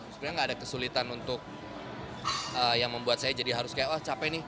sebenarnya nggak ada kesulitan untuk yang membuat saya jadi harus kayak oh capek nih